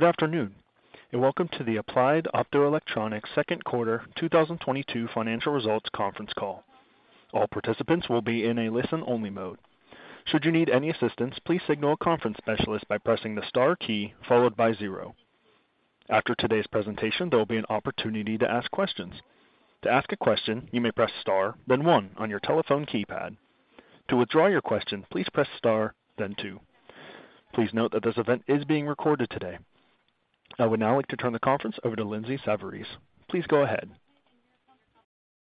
Good afternoon, and welcome to the Applied Optoelectronics second quarter 2022 financial results conference call. All participants will be in a listen-only mode. Should you need any assistance, please signal a conference specialist by pressing the star key followed by zero. After today's presentation, there'll be an opportunity to ask questions. To ask a question, you may press star, then one on your telephone keypad. To withdraw your question, please press star then two. Please note that this event is being recorded today. I would now like to turn the conference over to Lindsay Savarese. Please go ahead.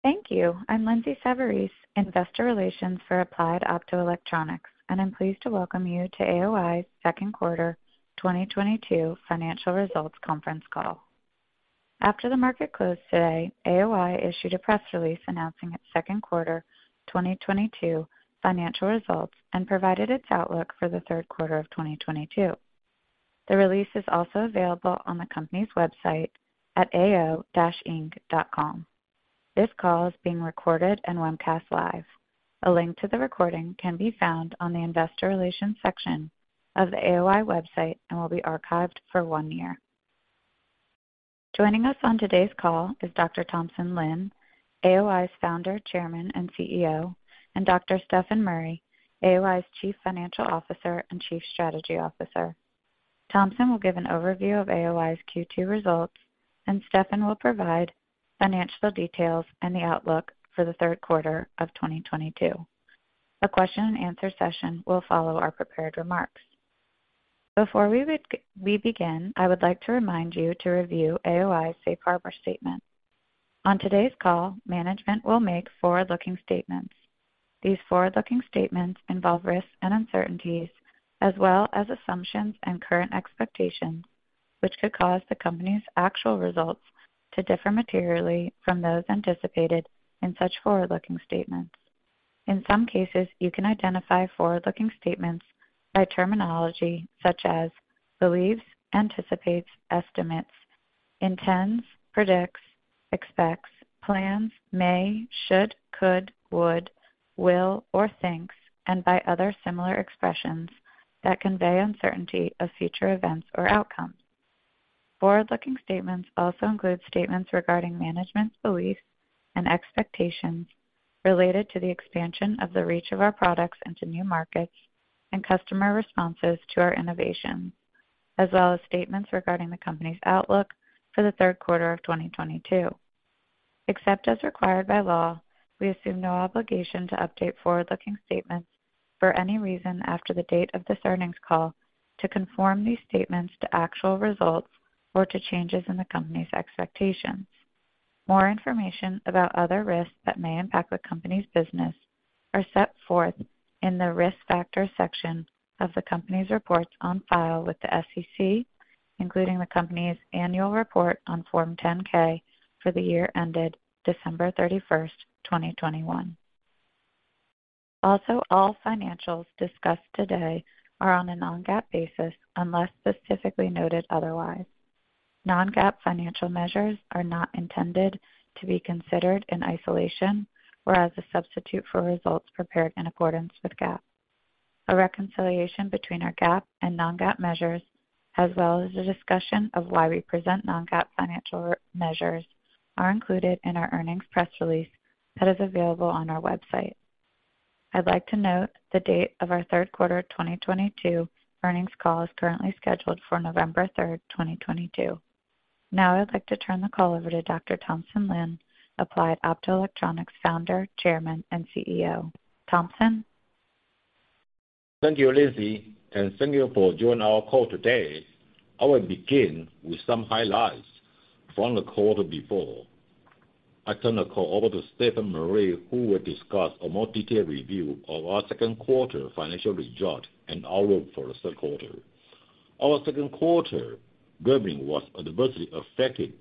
Thank you. I'm Lindsay Savarese, Investor Relations for Applied Optoelectronics, and I'm pleased to welcome you to AOI second quarter 2022 financial results conference call. After the market closed today, AOI issued a press release announcing its second quarter 2022 financial results and provided its outlook for the third quarter of 2022. The release is also available on the company's website at ao-inc.com. This call is being recorded and webcast live. A link to the recording can be found on the investor relations section of the AOI website and will be archived for one year. Joining us on today's call is Dr. Thompson Lin, AOI's founder, chairman, and CEO, and Dr. Stefan Murry, AOI's Chief Financial Officer and Chief Strategy Officer. Thompson will give an overview of AOI's Q2 results, and Stefan will provide financial details and the outlook for the third quarter of 2022. A question-and-answer session will follow our prepared remarks. Before we begin, I would like to remind you to review AOI's safe harbor statement. On today's call, management will make forward-looking statements. These forward-looking statements involve risks and uncertainties as well as assumptions and current expectations, which could cause the company's actual results to differ materially from those anticipated in such forward-looking statements. In some cases, you can identify forward-looking statements by terminology such as believes, anticipates, estimates, intends, predicts, expects, plans, may, should, could, would, will, or thinks, and by other similar expressions that convey uncertainty of future events or outcomes. Forward-looking statements also include statements regarding management's beliefs and expectations related to the expansion of the reach of our products into new markets and customer responses to our innovations, as well as statements regarding the company's outlook for the third quarter of 2022. Except as required by law, we assume no obligation to update forward-looking statements for any reason after the date of this earnings call to conform these statements to actual results or to changes in the company's expectations. More information about other risks that may impact the company's business are set forth in the Risk Factors section of the company's reports on file with the SEC, including the company's annual report on Form 10-K for the year ended December 31, 2021. Also, all financials discussed today are on a non-GAAP basis, unless specifically noted otherwise. Non-GAAP financial measures are not intended to be considered in isolation or as a substitute for results prepared in accordance with GAAP. A reconciliation between our GAAP and non-GAAP measures, as well as a discussion of why we present non-GAAP financial measures, are included in our earnings press release that is available on our website. I'd like to note the date of our third quarter 2022 earnings call is currently scheduled for November 3, 2022. Now I'd like to turn the call over to Dr. Thompson Lin, Applied Optoelectronics Founder, Chairman, and CEO. Thompson? Thank you, Lindsay, and thank you for joining our call today. I will begin with some highlights from the quarter before I turn the call over to Stefan Murry, who will discuss a more detailed review of our second quarter financial results and outlook for the third quarter. Our second quarter revenue was adversely affected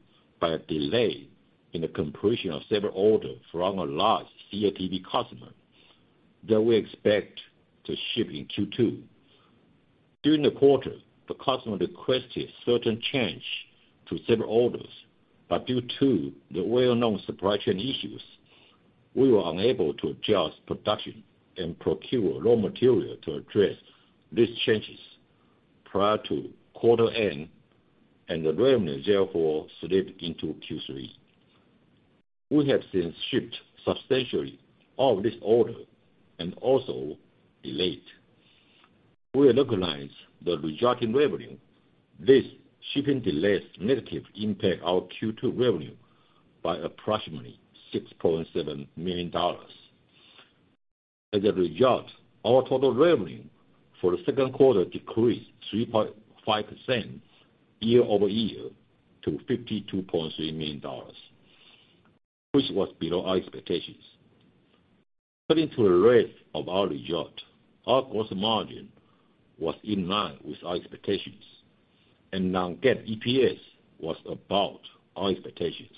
by a delay in the completion of several orders from a large CATV customer that we expect to ship in Q2. During the quarter, the customer requested certain changes to several orders, but due to the well-known supply chain issues, we were unable to adjust production and procure raw material to address these changes prior to quarter end, and the revenue therefore slipped into Q3. We have since shipped substantially all of this order. We recognize the resulting revenue. These shipping delays negatively impacted our Q2 revenue by approximately $6.7 million. As a result, our total revenue for the second quarter decreased 3.5% year-over-year to $52.3 million, which was below our expectations. As to the rest of our results, our gross margin was in line with our expectations, and non-GAAP EPS was above our expectations.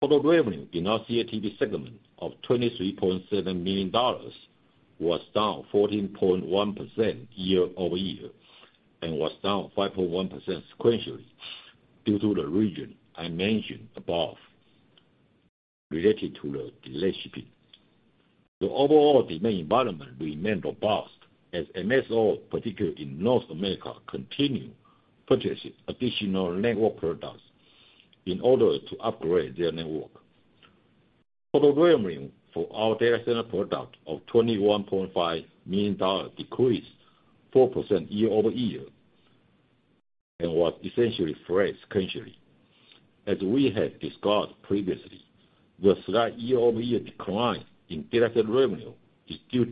Total revenue in our CATV segment of $23.7 million was down 14.1% year-over-year and was down 5.1% sequentially due to the reason I mentioned above, related to the delayed shipping. The overall demand environment remained robust as MSOs, particularly in North America, continued purchasing additional network products in order to upgrade their network. Total revenue for our data center product of $21.5 million decreased 4% year-over-year, and was essentially flat sequentially. As we had discussed previously, the slight year-over-year decline in data center revenue is due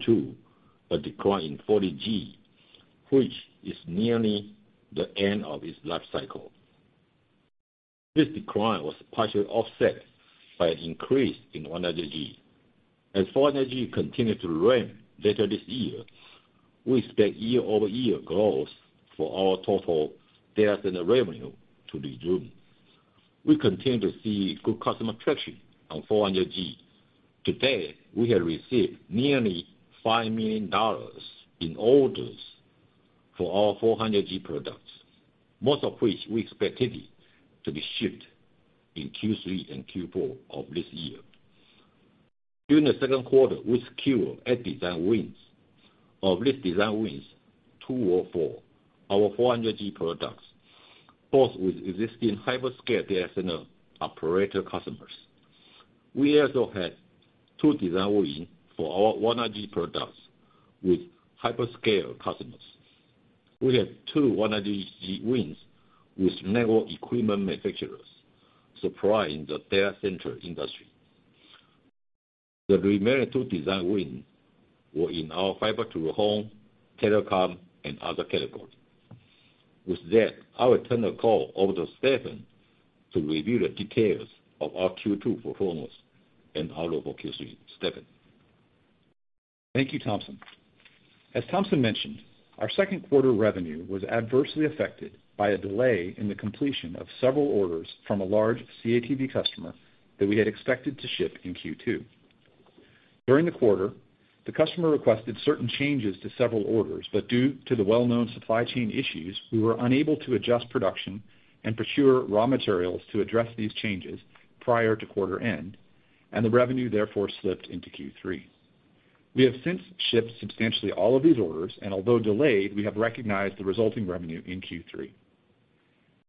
to a decline in 40G, which is nearly the end of its life cycle. This decline was partially offset by an increase in 100G. As 400G continues to ramp later this year, we expect year-over-year growth for our total data center revenue to resume. We continue to see good customer traction on 400G. To date, we have received nearly $5 million in orders for our 400G products, most of which we expect it to be shipped in Q3 and Q4 of this year. During the second quarter, we secured eight design wins. Of these design wins, two were for our 400G products, both with existing hyperscale data center operator customers. We also had two design wins for our 100G products with hyperscale customers. We had two 100G wins with network equipment manufacturers supplying the data center industry. The remaining two design wins were in our fiber to the home, telecom, and other category. With that, I will turn the call over to Stefan to review the details of our Q2 performance and outlook for Q3. Stefan? Thank you, Thompson. As Thompson mentioned, our second quarter revenue was adversely affected by a delay in the completion of several orders from a large CATV customer that we had expected to ship in Q2. During the quarter, the customer requested certain changes to several orders, but due to the well-known supply chain issues, we were unable to adjust production and procure raw materials to address these changes prior to quarter end, and the revenue therefore slipped into Q3. We have since shipped substantially all of these orders, and although delayed, we have recognized the resulting revenue in Q3.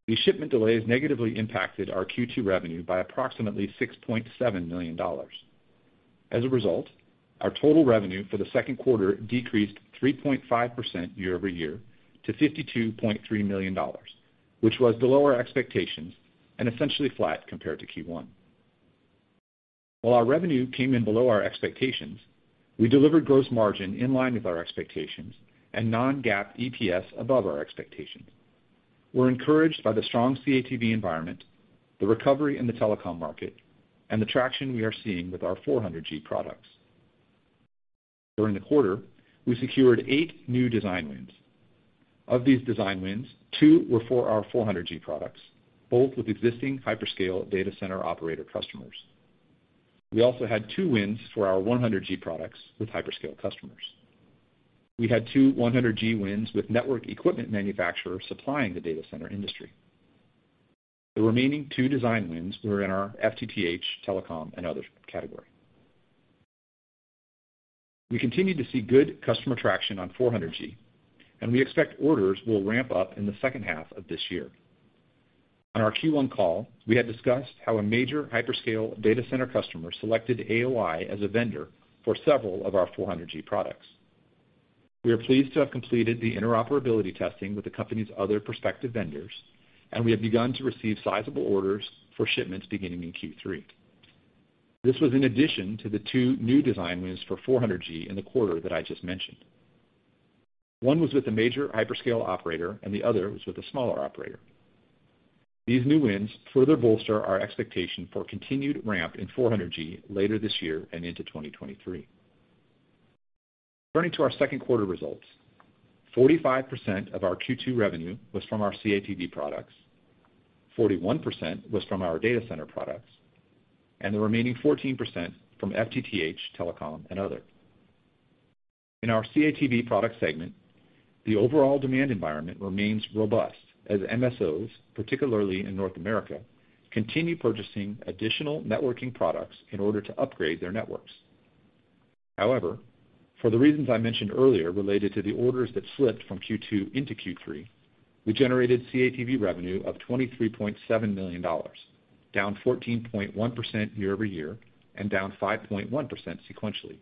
These shipment delays negatively impacted our Q2 revenue by approximately $6.7 million. As a result, our total revenue for the second quarter decreased 3.5% year-over-year to $52.3 million, which was below our expectations and essentially flat compared to Q1. While our revenue came in below our expectations, we delivered gross margin in line with our expectations and non-GAAP EPS above our expectations. We're encouraged by the strong CATV environment, the recovery in the telecom market, and the traction we are seeing with our 400G products. During the quarter, we secured eight new design wins. Of these design wins, two were for our 400G products, both with existing hyperscale data center operator customers. We also had two wins for our 100G products with hyperscale customers. We had two 100G wins with network equipment manufacturers supplying the data center industry. The remaining two design wins were in our FTTH telecom and other category. We continue to see good customer traction on 400G, and we expect orders will ramp up in the second half of this year. On our Q1 call, we had discussed how a major hyperscale data center customer selected AOI as a vendor for several of our 400G products. We are pleased to have completed the interoperability testing with the company's other prospective vendors, and we have begun to receive sizable orders for shipments beginning in Q3. This was in addition to the two new design wins for 400G in the quarter that I just mentioned. One was with a major hyperscale operator, and the other was with a smaller operator. These new wins further bolster our expectation for continued ramp in 400G later this year and into 2023. Turning to our second quarter results, 45% of our Q2 revenue was from our CATV products, 41% was from our data center products, and the remaining 14% from FTTH, telecom, and other. In our CATV product segment, the overall demand environment remains robust as MSOs, particularly in North America, continue purchasing additional networking products in order to upgrade their networks. However, for the reasons I mentioned earlier related to the orders that slipped from Q2 into Q3, we generated CATV revenue of $23.7 million, down 14.1% year-over-year and down 5.1% sequentially.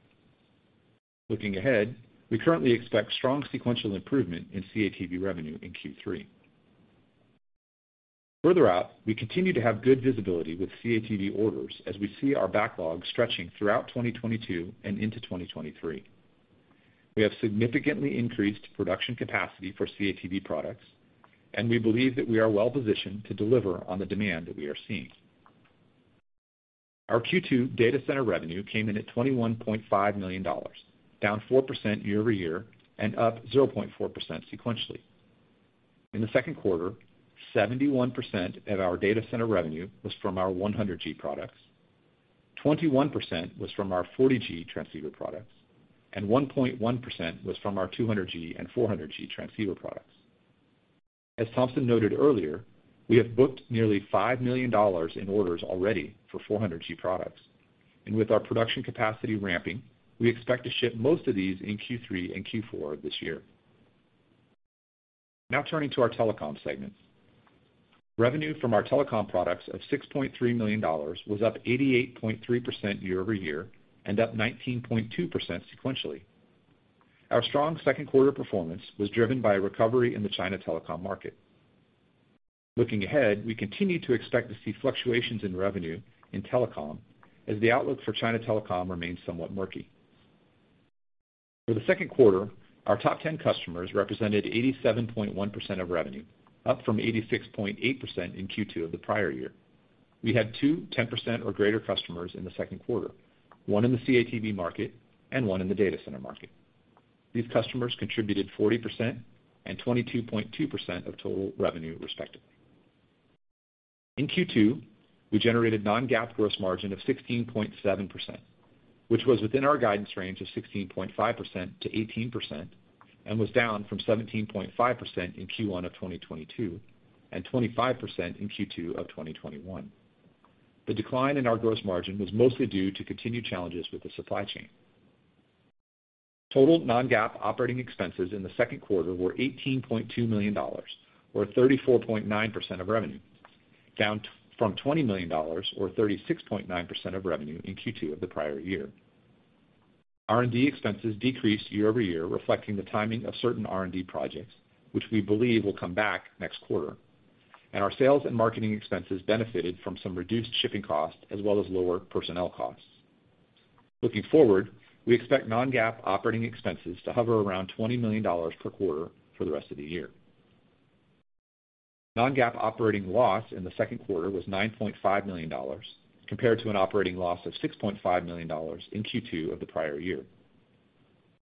Looking ahead, we currently expect strong sequential improvement in CATV revenue in Q3. Further out, we continue to have good visibility with CATV orders as we see our backlog stretching throughout 2022 and into 2023. We have significantly increased production capacity for CATV products, and we believe that we are well-positioned to deliver on the demand that we are seeing. Our Q2 data center revenue came in at $21.5 million, down 4% year-over-year and up 0.4% sequentially. In the second quarter, 71% of our data center revenue was from our 100G products, 21% was from our 40G transceiver products, and 1.1% was from our 200G and 400G transceiver products. As Thompson noted earlier, we have booked nearly $5 million in orders already for 400G products. With our production capacity ramping, we expect to ship most of these in Q3 and Q4 this year. Now turning to our telecom segment. Revenue from our telecom products of $6.3 million was up 88.3% year-over-year and up 19.2% sequentially. Our strong second quarter performance was driven by a recovery in the China telecom market. Looking ahead, we continue to expect to see fluctuations in revenue in telecom as the outlook for China telecom remains somewhat murky. For the second quarter, our top 10 customers represented 87.1% of revenue, up from 86.8% in Q2 of the prior year. We had two 10% or greater customers in the second quarter, one in the CATV market and one in the data center market. These customers contributed 40% and 22.2% of total revenue, respectively. In Q2, we generated non-GAAP gross margin of 16.7%, which was within our guidance range of 16.5%-18% and was down from 17.5% in Q1 of 2022 and 25% in Q2 of 2021. The decline in our gross margin was mostly due to continued challenges with the supply chain. Total non-GAAP operating expenses in the second quarter were $18.2 million or 34.9% of revenue, down from $20 million or 36.9% of revenue in Q2 of the prior year. R&D expenses decreased year-over-year, reflecting the timing of certain R&D projects, which we believe will come back next quarter, and our sales and marketing expenses benefited from some reduced shipping costs as well as lower personnel costs. Looking forward, we expect non-GAAP operating expenses to hover around $20 million per quarter for the rest of the year. Non-GAAP operating loss in the second quarter was $9.5 million, compared to an operating loss of $6.5 million in Q2 of the prior year.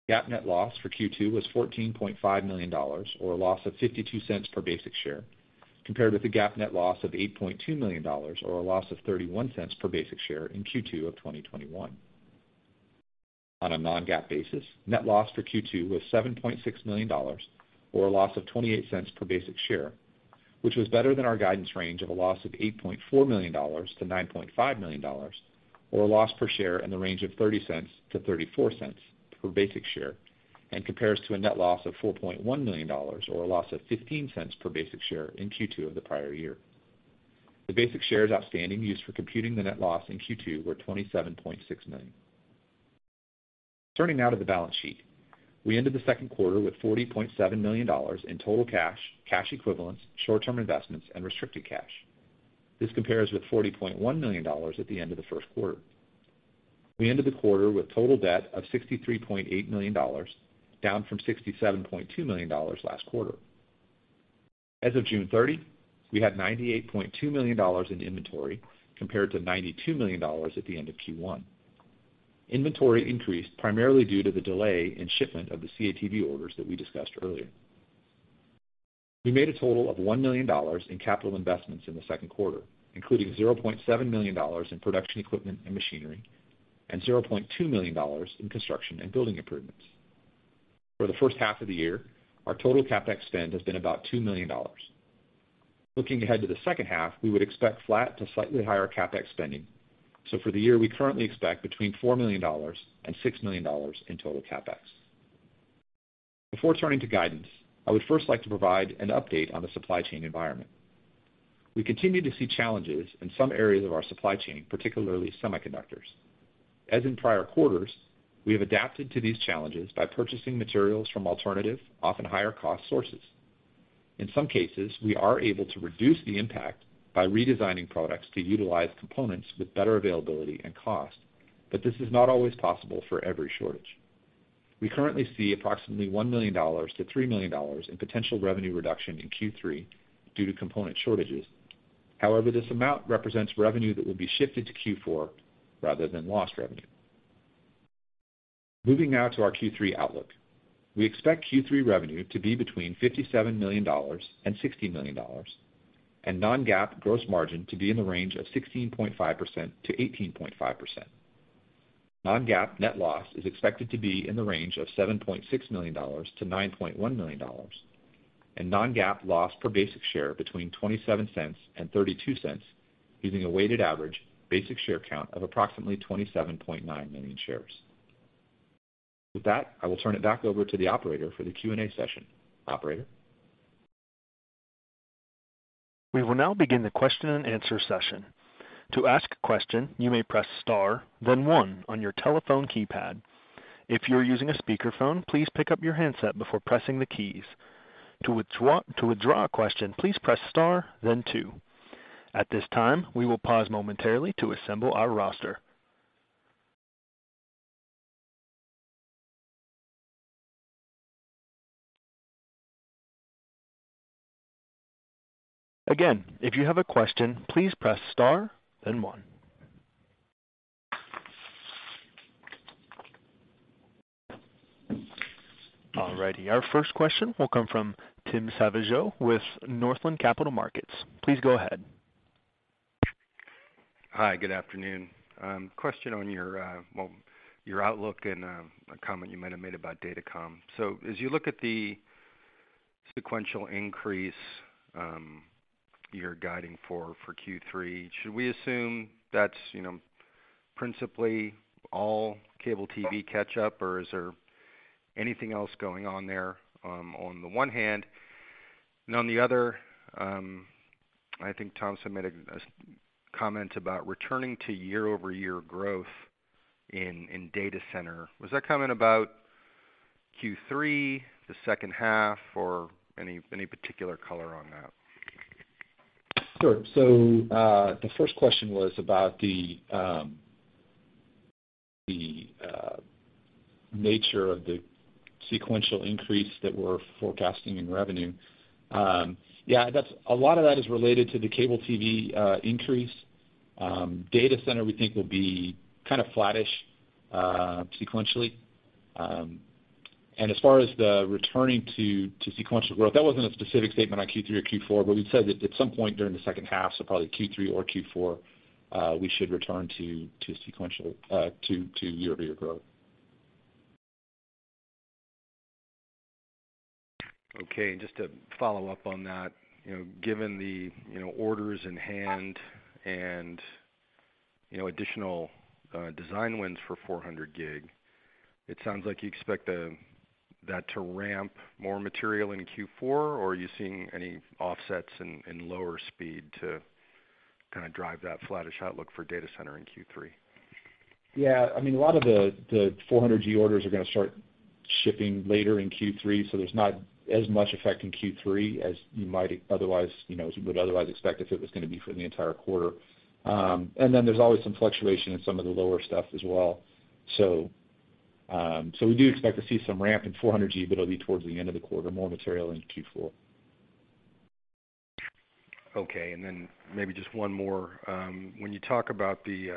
GAAP net loss for Q2 was $14.5 million or a loss of $0.52 per basic share, compared with the GAAP net loss of $8.2 million or a loss of $0.31 per basic share in Q2 of 2021. On a non-GAAP basis, net loss for Q2 was $7.6 million or a loss of $0.28 per basic share, which was better than our guidance range of a loss of $8.4 million-$9.5 million or a loss per share in the range of $0.30-$0.34 per basic share, and compares to a net loss of $4.1 million or a loss of $0.15 per basic share in Q2 of the prior year. The basic shares outstanding used for computing the net loss in Q2 were 27.6 million. Turning now to the balance sheet. We ended the second quarter with $40.7 million in total cash equivalents, short-term investments, and restricted cash. This compares with $40.1 million at the end of the first quarter. We ended the quarter with total debt of $63.8 million, down from $67.2 million last quarter. As of June 30, we had $98.2 million in inventory, compared to $92 million at the end of Q1. Inventory increased primarily due to the delay in shipment of the CATV orders that we discussed earlier. We made a total of $1 million in capital investments in the second quarter, including $0.7 million in production equipment and machinery and $0.2 million in construction and building improvements. For the first half of the year, our total CapEx spend has been about $2 million. Looking ahead to the second half, we would expect flat to slightly higher CapEx spending. For the year, we currently expect between $4 million and $6 million in total CapEx. Before turning to guidance, I would first like to provide an update on the supply chain environment. We continue to see challenges in some areas of our supply chain, particularly semiconductors. As in prior quarters, we have adapted to these challenges by purchasing materials from alternative, often higher cost sources. In some cases, we are able to reduce the impact by redesigning products to utilize components with better availability and cost. This is not always possible for every shortage. We currently see approximately $1 million-$3 million in potential revenue reduction in Q3 due to component shortages. However, this amount represents revenue that will be shifted to Q4 rather than lost revenue. Moving now to our Q3 outlook. We expect Q3 revenue to be between $57 million and $60 million, and non-GAAP gross margin to be in the range of 16.5%-18.5%. Non-GAAP net loss is expected to be in the range of $7.6 million-$9.1 million, and non-GAAP loss per basic share between $0.27 and $0.32, using a weighted average basic share count of approximately 27.9 million shares. With that, I will turn it back over to the operator for the Q&A session. Operator? We will now begin the question and answer session. To ask a question, you may press star, then one on your telephone keypad. If you're using a speakerphone, please pick up your handset before pressing the keys. To withdraw a question, please press star then two. At this time, we will pause momentarily to assemble our roster. Again, if you have a question, please press star then one. All righty. Our first question will come from Tim Savageaux with Northland Capital Markets. Please go ahead. Hi, good afternoon. Question on your, well, your outlook and a comment you might have made about Datacom. As you look at the sequential increase, you're guiding for Q3, should we assume that's, you know, principally all cable TV catch-up or is there anything else going on there, on the one hand? On the other, I think Thompson submitted a comment about returning to year-over-year growth in data center. Was that comment about Q3, the second half or any particular color on that? Sure. The first question was about the nature of the sequential increase that we're forecasting in revenue. Yeah, a lot of that is related to the cable TV increase. Data center, we think will be kind of flattish sequentially. As far as the returning to sequential growth, that wasn't a specific statement on Q3 or Q4, but we've said that at some point during the second half, so probably Q3 or Q4, we should return to sequential to year-over-year growth. Okay. Just to follow up on that, you know, given the, you know, orders in hand and, you know, additional, design wins for 400 Gb, it sounds like you expect that to ramp more material into Q4 or are you seeing any offsets in lower speed to kinda drive that flattish outlook for data center in Q3? Yeah. I mean, a lot of the four hundred G orders are gonna start shipping later in Q3, so there's not as much effect in Q3 as you might otherwise, you know, as we would otherwise expect if it was gonna be for the entire quarter. And then there's always some fluctuation in some of the lower stuff as well. So we do expect to see some ramp in 400G, but it'll be towards the end of the quarter, more material in Q4. Okay. Maybe just one more. When you talk about the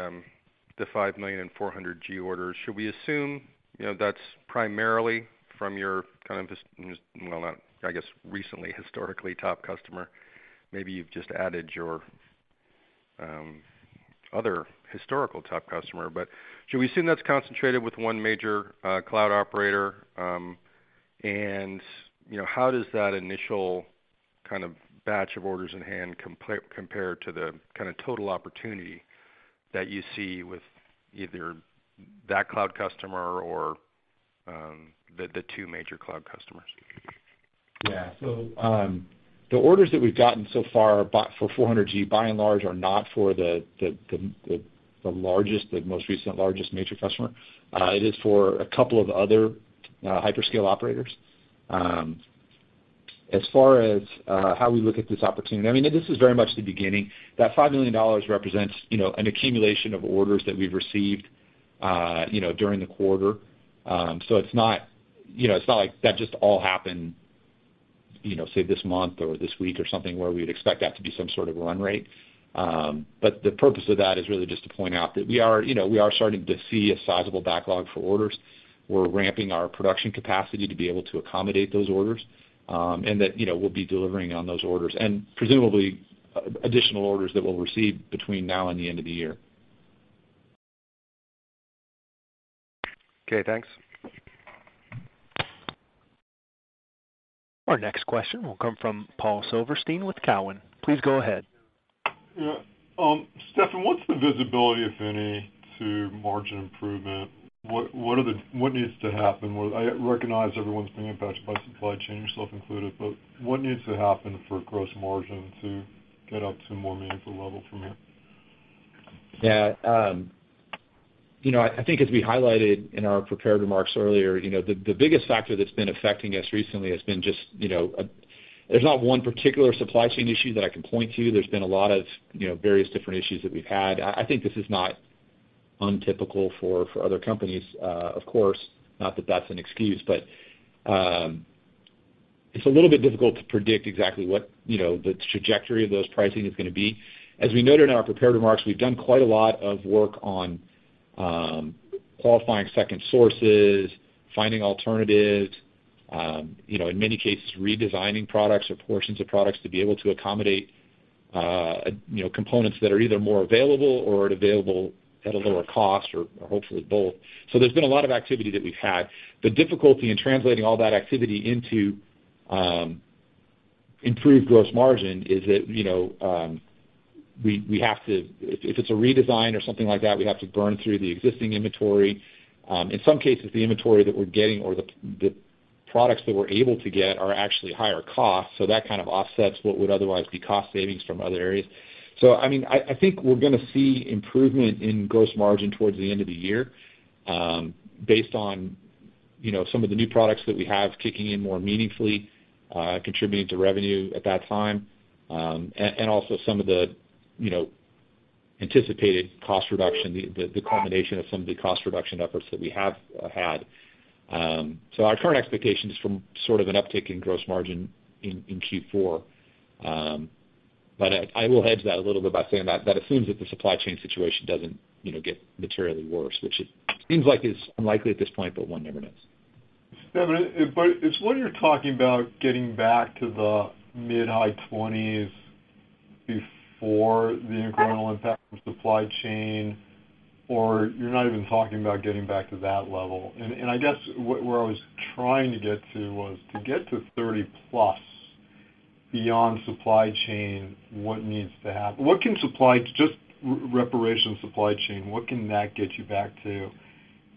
$5 million in 400G orders, should we assume, you know, that's primarily from your kind of just, well, not, I guess, recently historically top customer, maybe you've just added your other historical top customer. Should we assume that's concentrated with one major cloud operator? You know, how does that initial kind of batch of orders in hand compare to the kind of total opportunity that you see with either that cloud customer or the two major cloud customers? Yeah. The orders that we've gotten so far for 400G by and large are not for the largest, the most recent largest major customer. It is for a couple of other hyperscale operators. As far as how we look at this opportunity, I mean, this is very much the beginning. That $5 million represents, you know, an accumulation of orders that we've received, you know, during the quarter. It's not, you know, it's not like that just all happened, you know, say this month or this week or something where we'd expect that to be some sort of run rate. But the purpose of that is really just to point out that we are, you know, we are starting to see a sizable backlog for orders. We're ramping our production capacity to be able to accommodate those orders, and that, you know, we'll be delivering on those orders and presumably additional orders that we'll receive between now and the end of the year. Okay, thanks. Our next question will come from Paul Silverstein with Cowen. Please go ahead. Yeah. Stefan, what's the visibility, if any, to margin improvement? What needs to happen? Well, I recognize everyone's being impacted by supply chain, yourself included, but what needs to happen for gross margin to get up to a more meaningful level from here? Yeah. You know, I think as we highlighted in our prepared remarks earlier, you know, the biggest factor that's been affecting us recently has been just, you know, there's not one particular supply chain issue that I can point to. There's been a lot of, you know, various different issues that we've had. I think this is not untypical for other companies, of course, not that that's an excuse. It's a little bit difficult to predict exactly what, you know, the trajectory of those pricing is gonna be. As we noted in our prepared remarks, we've done quite a lot of work on qualifying second sources, finding alternatives, you know, in many cases, redesigning products or portions of products to be able to accommodate, you know, components that are either more available or available at a lower cost or hopefully both. There's been a lot of activity that we've had. The difficulty in translating all that activity into improved gross margin is that, you know, if it's a redesign or something like that, we have to burn through the existing inventory. In some cases, the inventory that we're getting or the products that we're able to get are actually higher cost, so that kind of offsets what would otherwise be cost savings from other areas. I mean, I think we're gonna see improvement in gross margin towards the end of the year, based on, you know, some of the new products that we have kicking in more meaningfully, contributing to revenue at that time. And also some of the, you know, anticipated cost reduction, the combination of some of the cost reduction efforts that we have had. Our current expectation is from sort of an uptick in gross margin in Q4. I will hedge that a little bit by saying that that assumes that the supply chain situation doesn't, you know, get materially worse, which it seems like is unlikely at this point, but one never knows. Yeah, but is what you're talking about getting back to the mid- to high-20s% before the incremental impact from supply chain, or you're not even talking about getting back to that level. I guess where I was trying to get to was to get to 30+% beyond supply chain, what needs to happen? What can just repairing supply chain get you back to?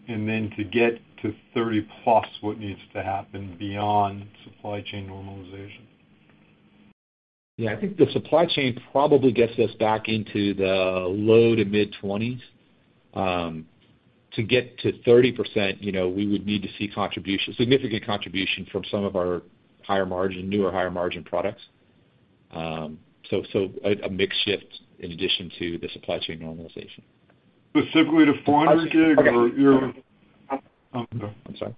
To get to 30+%, what needs to happen beyond supply chain normalization? Yeah. I think the supply chain probably gets us back into the low to mid-20s%. To get to 30%, you know, we would need to see contribution, significant contribution from some of our higher margin, newer higher margin products. A mix shift in addition to the supply chain normalization. Specifically to 400G. Okay. Oh, go. I'm sorry.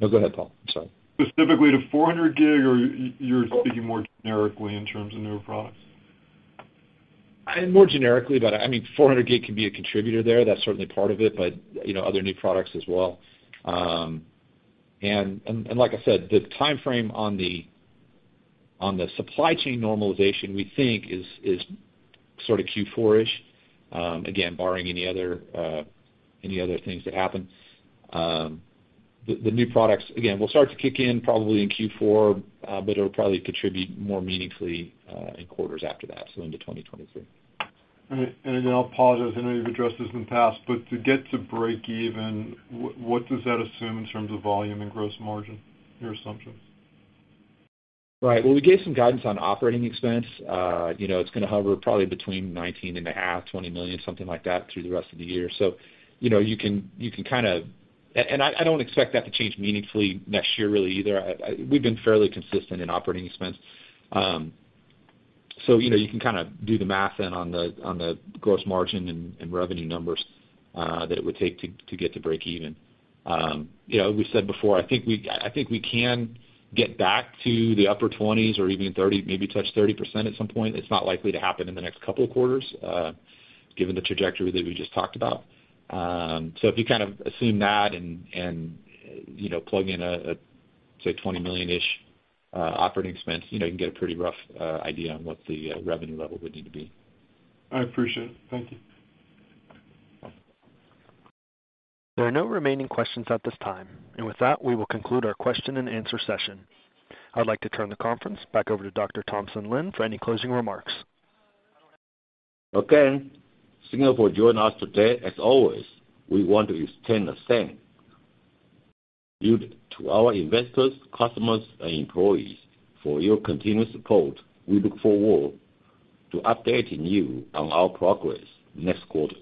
No, go ahead, Paul. I'm sorry. Specifically to 400G or you're speaking more generically in terms of newer products? More generically, but I mean, 400G can be a contributor there. That's certainly part of it, but, you know, other new products as well. Like I said, the timeframe on the supply chain normalization, we think is sort of Q4-ish, again, barring any other things that happen. The new products, again, will start to kick in probably in Q4, but it'll probably contribute more meaningfully in quarters after that, so into 2023. All right. I'll pause as I know you've addressed this in the past, but to get to break even, what does that assume in terms of volume and gross margin, your assumptions? Right. Well, we gave some guidance on operating expense. You know, it's gonna hover probably between $19.5-$20 million, something like that, through the rest of the year. You know, you can kind of. I don't expect that to change meaningfully next year really either. We've been fairly consistent in operating expense. You know, you can kind of do the math then on the gross margin and revenue numbers that it would take to get to break even. You know, we said before, I think we can get back to the upper 20s% or even 30%, maybe touch 30% at some point. It's not likely to happen in the next couple of quarters, given the trajectory that we just talked about. If you kind of assume that and, you know, plug in a, say, $20 million-ish operating expense, you know, you can get a pretty rough idea on what the revenue level would need to be. I appreciate it. Thank you. There are no remaining questions at this time. With that, we will conclude our question and answer session. I'd like to turn the conference back over to Dr. Thompson Lin for any closing remarks. Again, thank you for joining us today. As always, we want to extend our thanks to our investors, customers, and employees for your continuous support. We look forward to updating you on our progress next quarter.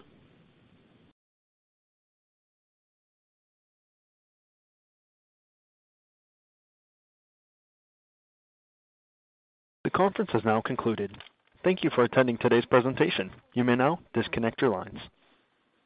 The conference has now concluded. Thank you for attending today's presentation. You may now disconnect your lines.